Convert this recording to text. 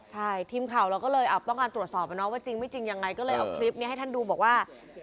ใช่ทีมข่าวเราก็เลยต้องการตรวจสอบว่าจริงไม่จริงยังไงก็เลยเอาคลิปนี้ให้ท่านดูบอกว่า